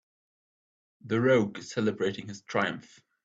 The rogue is celebrating his triumph.